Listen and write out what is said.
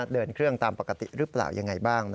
เดินเครื่องตามปกติหรือเปล่ายังไงบ้าง